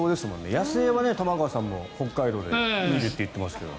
野生は玉川さんも北海道で見ると言ってましたけど。